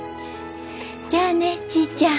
じゃあねちぃちゃん。